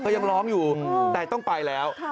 ยังร้องอยู่แต่ต้องไปแล้ว